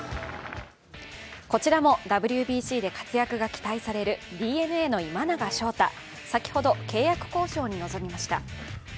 こちらもＷＢＣで活躍が期待できるＤｅＮＡの今永昇太、先ほど契約交渉に臨みました。